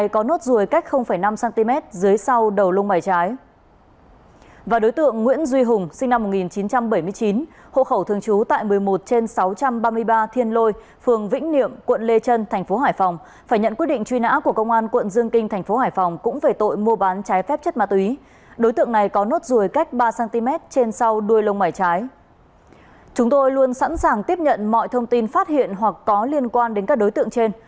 chúng tôi luôn sẵn sàng tiếp nhận mọi thông tin phát hiện hoặc có liên quan đến các đối tượng trên